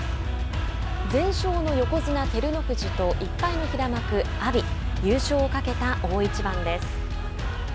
全勝の横綱・照ノ富士と１敗の平幕・阿炎優勝を懸けた大一番です。